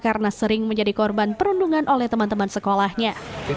karena sering menjadi korban perundungan oleh teman teman sekolahnya